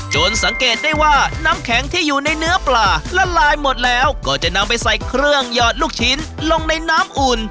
สังเกตได้ว่าน้ำแข็งที่อยู่ในเนื้อปลาละลายหมดแล้วก็จะนำไปใส่เครื่องหยอดลูกชิ้นลงในน้ำอุ่น